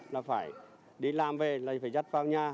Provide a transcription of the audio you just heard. là phải đi làm về lại phải dắt vào nhà